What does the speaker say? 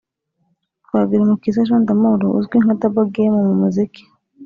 Twagirumukiza Jean d'Amour uzwi nka Double Game mu muziki